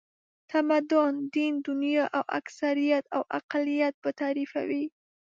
تمدن، دین، دنیا او اکثریت او اقلیت به تعریفوي.